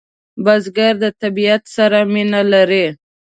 بزګر د طبیعت سره مینه لري